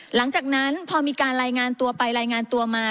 หลังจากนั้นพอมีการรายงานตัวไปรายงานตัวมา